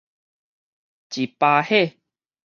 一葩火